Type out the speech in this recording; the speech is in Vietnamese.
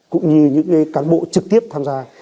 cũng như những cán bộ trực tiếp tham gia